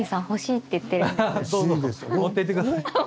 どうぞどうぞ持ってって下さい。